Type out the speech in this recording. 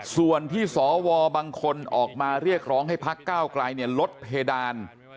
ส่วนที่สวบางคนออกมาเรียกร้องให้พักก้าวไกลลดเพดาน